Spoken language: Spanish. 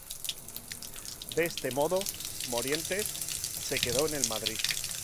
De este modo, Morientes se quedó en el Madrid.